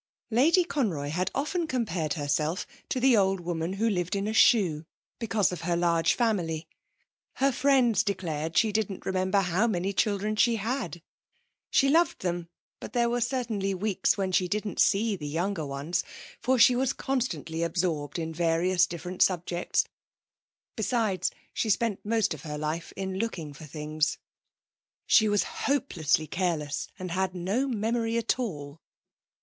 Lady Conroy had often compared herself to the old woman who lived in a shoe, because of her large family. Her friends declared she didn't remember how many children she had. She loved them, but there were certainly weeks when she didn't see the younger ones, for she was constantly absorbed in various different subjects. Besides, she spent most of her life in looking for things. She was hopelessly careless and had no memory at all.